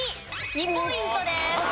２ポイントです。